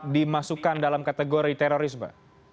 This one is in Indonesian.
dimasukkan dalam kategori terorisme